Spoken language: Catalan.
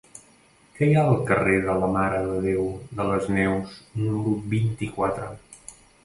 Què hi ha al carrer de la Mare de Déu de les Neus número vint-i-quatre?